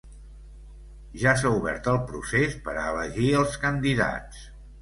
Ja s’ha obert el procés per a elegir els candidats.